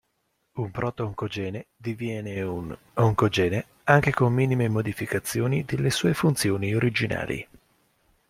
Un proto-oncogene diviene un oncogene anche con minime modificazioni delle sue funzioni originali.